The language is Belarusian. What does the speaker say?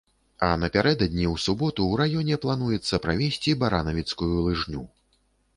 А напярэдадні, у суботу, у раёне плануецца правесці баранавіцкую лыжню.